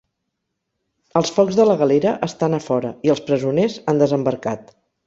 Els focs de la galera estan a fora i els presoners han desembarcat.